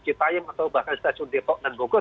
cipayum atau bahkan stasiun depok dan bogor